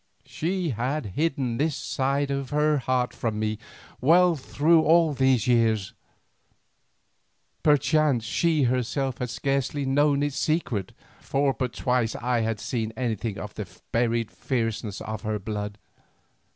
She had hidden this side of her heart from me well through all these years, perchance she herself had scarcely known its secret, for but twice had I seen anything of the buried fierceness of her blood.